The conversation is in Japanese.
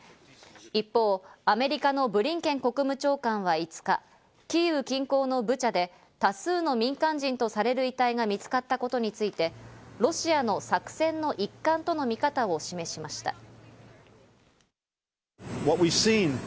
一方、アメリカのブリンケン国務長官は５日、キーウ近郊のブチャで多数の民間人とされる遺体が見つかったことについて、ロシアの作戦の一環との見方を示しました。